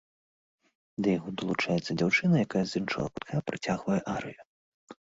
Да яго далучаецца дзяўчына, якая з іншага кутка працягвае арыю.